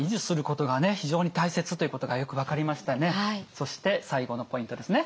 そして最後のポイントですね。